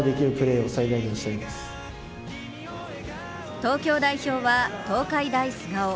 東京代表は東海大菅生。